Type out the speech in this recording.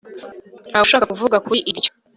Ntawe ushaka kuvuga kuri ibyo